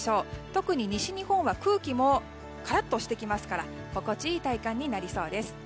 特に西日本は空気もカラッとしてきますから心地よい体感になりそうです。